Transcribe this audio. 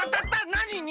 なにに？